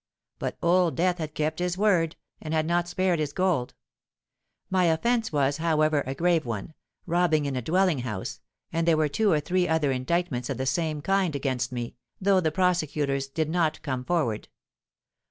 But Old Death had kept his word, and had not spared his gold. My offence was, however, a grave one—robbing in a dwelling house; and there were two or three other indictments of the same kind against me, though the prosecutors did not come forward.